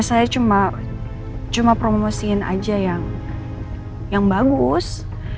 saya cuma promosiin aja yang bagus